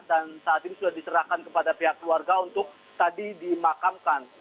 dan saat ini sudah diserahkan kepada pihak warga untuk tadi dimakamkan